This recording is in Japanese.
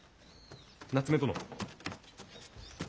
夏目殿。